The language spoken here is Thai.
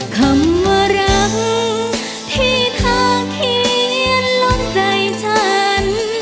คำว่ารักที่ทางเขียนล็อกใจฉัน